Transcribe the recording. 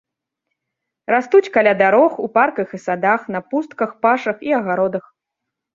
Растуць каля дарог, у парках і садах, на пустках, пашах і агародах.